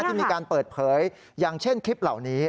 ที่มีการเปิดเผยอย่างเช่นคลิปเหล่านี้